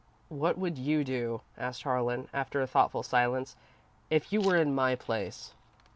"What would you do?" asked Harlan, after a thoughtful silence, "if you were in my place?"